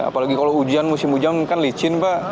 apalagi kalau ujian musim musim kan licin pak